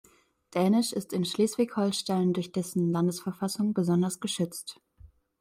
Dänisch ist in Schleswig-Holstein durch dessen Landesverfassung besonders geschützt.